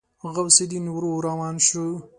غوث الدين ورو روان شو.